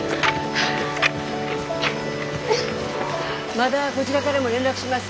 まだこちらがらも連絡します。